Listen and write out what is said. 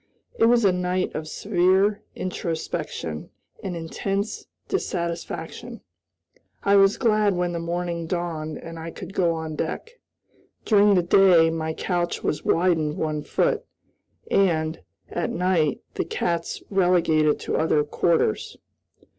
It was a night of severe introspection and intense dissatisfaction. I was glad when the morning dawned and I could go on deck. During the day my couch was widened one foot, and, at night, the cats relegated to other quarters.